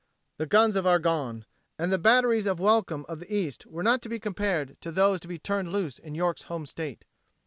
"The guns of Argonne and the batteries of welcome of the East were not to be compared to those to be turned loose in York's home state."